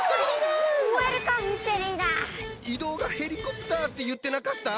移動がヘリコプターっていってなかった？